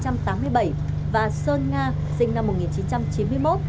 sinh năm một nghìn chín trăm tám mươi bảy và sơn nga sinh năm một nghìn chín trăm chín mươi một